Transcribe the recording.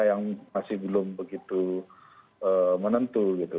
yang masih belum begitu menentu gitu